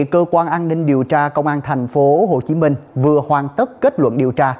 cơ quan an ninh điều tra công an thành phố hồ chí minh vừa hoàn tất kết luận điều tra